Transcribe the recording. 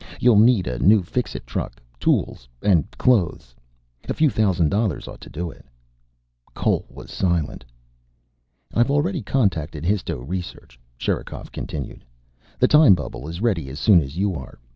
You'll need a new Fixit truck. Tools. And clothes. A few thousand dollars ought to do it." Cole was silent. "I've already contacted histo research," Sherikov continued. "The time bubble is ready as soon as you are.